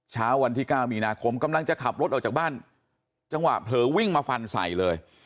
เช้าวันที่เก้ามีนาคมกำลังจะขับรถออกจากบ้านจังหวะเผลอวิ่งมาฟันใส่เลย